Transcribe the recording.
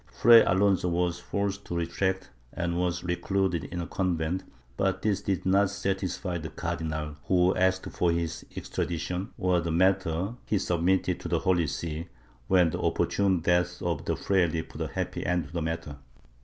Fray Alonso was forced to retract, and was recluded in a convent, but this did not satisfy the Cardinal, who asked for his extradition, or that the matter he submitted to the Holy See, when the opportune death of the fraile put a happy end to the matter.